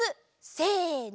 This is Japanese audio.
せの！